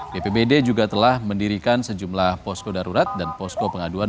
bpbd juga telah mendirikan sejumlah posko darurat dan posko pengaduan